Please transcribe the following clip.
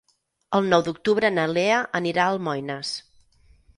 El nou d'octubre na Lea anirà a Almoines.